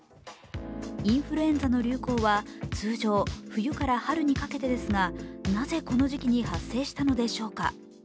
インフルエンザの流行は通常、冬から春にかけてですが、なぜ、この時期に発生したのでしょうか。